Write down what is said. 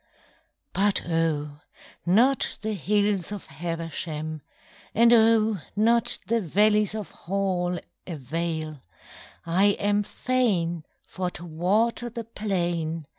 But oh, not the hills of Habersham, And oh, not the valleys of Hall Avail: I am fain for to water the plain.